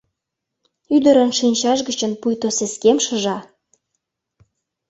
Ӱдырын шинчаж гычын пуйто сескем шыжа.